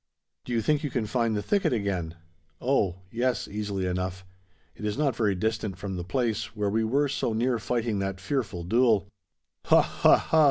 "Do you think you can find the thicket again?" "Oh! yes, easily enough. It is not very distant from the place, where we were so near fighting that fearful duel." "Ha! ha! ha!"